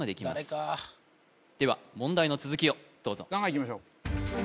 誰かでは問題の続きをどうぞガンガンいきましょう